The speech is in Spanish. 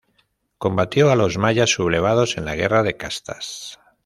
Combatió a los mayas sublevados en la guerra de castas.